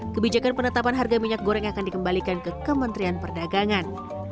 kebijakan penetapan harga minyak goreng akan dikembalikan ke kementerian perdagangan